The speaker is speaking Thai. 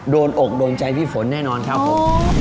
โดนอกโดนใจพี่ฝนแน่นอนครับผม